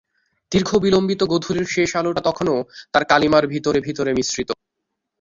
দীর্ঘবিলম্বিত গোধূলির শেষ-আলোটা তখনো তার কালিমার ভিতরে ভিতরে মিশ্রিত।